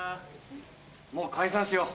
もう解散しよう。